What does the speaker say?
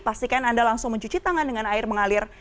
pastikan anda langsung mencuci tangan dengan air mengalir